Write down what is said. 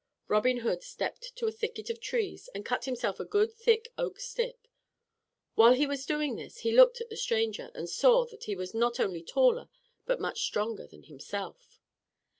Robin Hood stepped to a thicket of trees and cut himself a good, thick oak stick. While he was doing this, he looked at the stranger, and saw that he was not only taller but much stronger than himself.